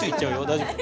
大丈夫？